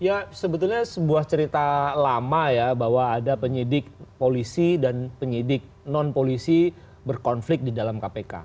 ya sebetulnya sebuah cerita lama ya bahwa ada penyidik polisi dan penyidik non polisi berkonflik di dalam kpk